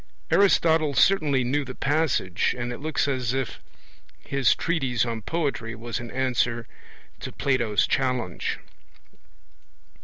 Aristotle certainly knew the passage, and it looks as if his treatise on poetry was an answer to Plato's challenge.